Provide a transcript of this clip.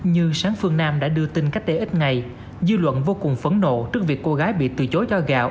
như sáng phương nam đã đưa tin cách đây ít ngày dư luận vô cùng phẫn nộ trước việc cô gái bị từ chối cho gạo